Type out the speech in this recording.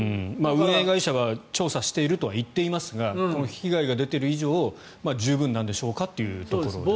運営会社は調査しているといいますが被害が出てる以上十分なんでしょうかというところですね。